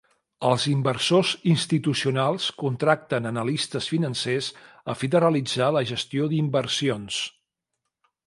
Els inversors institucionals contracten analistes financers a fi de realitzar la gestió d'inversions.